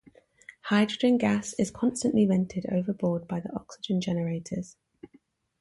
Hydrogen gas is constantly vented overboard by the oxygen generators.